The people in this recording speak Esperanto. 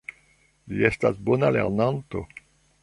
Li estas bona lernanto.